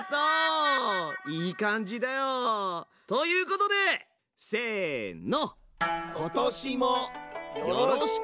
いい感じだよ。ということでせの！